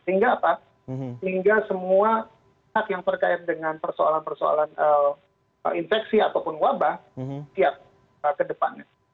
sehingga semua hak yang terkait dengan persoalan persoalan infeksi ataupun wabah siap ke depannya